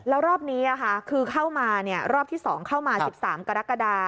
แล้วรอบนี้คือเข้ามารอบที่๒เข้ามา๑๓กรกฎา